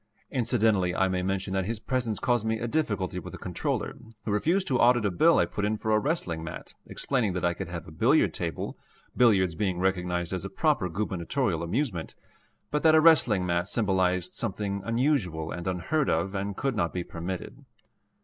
Incidentally I may mention that his presence caused me a difficulty with the Comptroller, who refused to audit a bill I put in for a wrestling mat, explaining that I could have a billiard table, billiards being recognized as a proper Gubernatorial amusement, but that a wrestling mat symbolized something unusual and unheard of and could not be permitted.